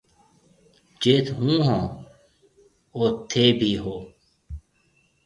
جيٿ هُون هون اوٿ ٿَي ڀِي هيَ۔